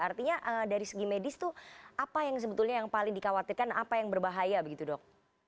artinya dari segi medis tuh apa yang sebetulnya yang paling dikhawatirkan apa yang berbahaya begitu dok